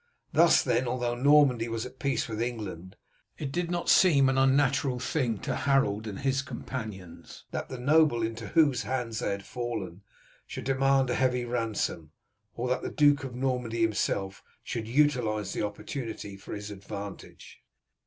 Thus then, although Normandy was at peace with England, it did not seem an unnatural thing to Harold and his companions that the noble into whose hands they had fallen should demand a heavy ransom, or that the Duke of Normandy himself should utilize the opportunity for his advantage.